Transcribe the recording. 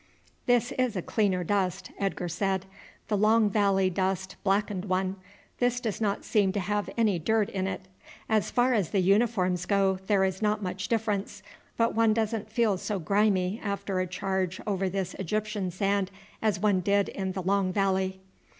"This is a cleaner dust," Edgar said. "The Long Valley dust blackened one; this does not seem to have any dirt in it. As far as the uniforms go there is not much difference, but one doesn't feel so grimy after a charge over this Egyptian sand as one did in the Long Valley."